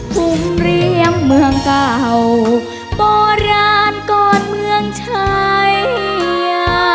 ภูมิเรียมเมืองเก่าโบราณก่อนเมืองชัย